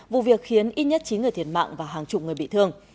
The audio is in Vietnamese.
vụ việc khiến ít nhất chín người thiệt mạng và hàng chục người bị thương